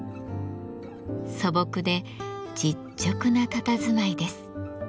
素朴で実直なたたずまいです。